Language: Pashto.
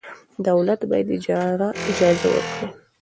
دولت باید اجازه ورکړي.